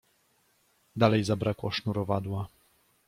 Dalej zabrakło sznurowadła.